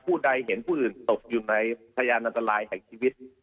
ผู้ใดเห็นผู้อื่นตกอยู่ในพยานอันตรายแห่งชีวิต